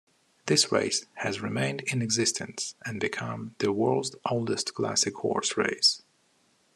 This race has remained in existence and become the world's oldest classic horse race.